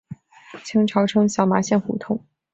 清朝称小麻线胡同。